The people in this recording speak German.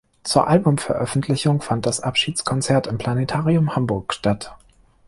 Zur Albumveröffentlichung fand das Abschiedskonzert im Planetarium Hamburg statt.